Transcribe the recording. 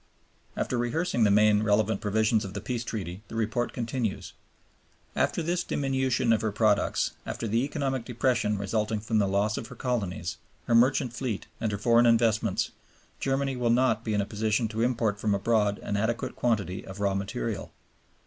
After rehearsing the main relevant provisions of the Peace Treaty the report continues: "After this diminution of her products, after the economic depression resulting from the loss of her colonies, her merchant fleet and her foreign investments, Germany will not be in a position to import from abroad an adequate quantity of raw material.